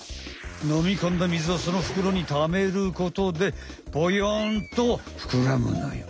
のみこんだ水をそのふくろにためることでボヨンとふくらむのよ。